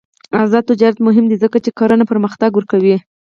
آزاد تجارت مهم دی ځکه چې کرنه پرمختګ ورکوي.